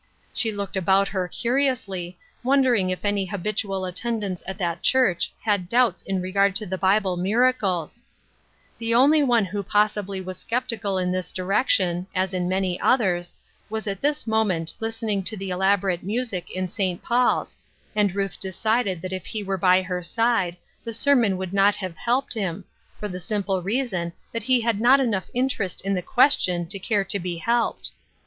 She looked about her curiously, wondering if any habitual attendants at that church had doubts in regard to the Bible mira cles ! The only one who possibly was skeptical in this direction, as in many others, was at this mo ment listening to the elaborate music in St. Paul's, and Ruth decided that if he were by her side the sermon would not have helped him, for the simple reason that he had not enough interest in the question to care to be helped.